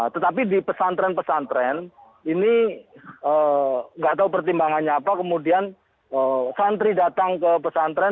tetapi di pesantren pesantren ini nggak tahu pertimbangannya apa kemudian santri datang ke pesantren